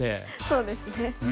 そうですね。